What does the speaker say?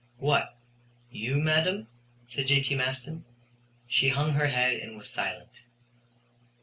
"What! You, madam?" said J.T. Maston. She hung her head and was silent.